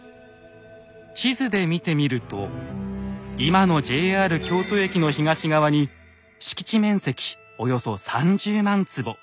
地図で見てみると今のＪＲ京都駅の東側に敷地面積およそ３０万坪。